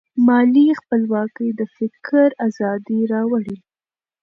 مالي خپلواکي د فکر ازادي راوړي.